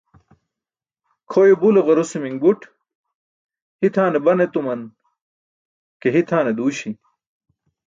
Kʰoyo bule garusumi̇ṅ buṭ, hitʰaane ban etuman ke tʰum tʰane duuśi̇.